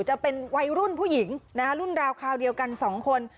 จะเป็นวัยรุ่นผู้หญิงนะฮะรุ่นราวคราวเดียวกัน๒คน